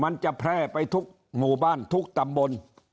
มันจะแพร่ไปทุกหมู่บ้านทุกตำบล